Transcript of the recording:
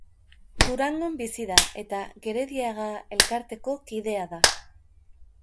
Durangon bizi da eta Gerediaga Elkarteko kidea da.